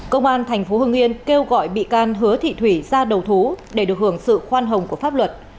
công an thành phố hương yên kêu gọi bị can hứa thị thùy ra đầu thú để được hưởng sự khoan hồng của pháp luật